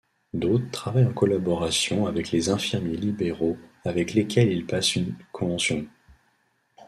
D'autres travaillent en collaboration avec les infirmiers libéraux avec lesquels ils passent une convention.